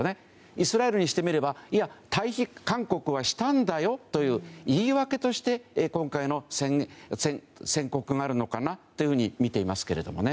イスラエルにしてみれば退避勧告はしたんだよという言い訳として今回の宣告があるのかなとみていますけどね。